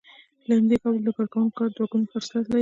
له همدې کبله د کارکوونکو کار دوه ګونی خصلت لري